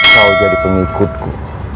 kau jadi pengikutku